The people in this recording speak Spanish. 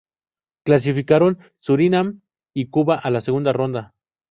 Clasificaron Surinam y Cuba a la segunda ronda.